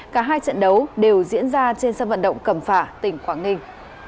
cả hai trận đấu đều diễn ra trên sân vận động cầm phả tỉnh quảng ninh